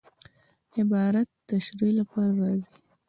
عبارت د تشریح له پاره راځي.